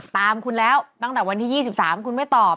ตามคุณแล้วตั้งแต่วันที่๒๓คุณไม่ตอบ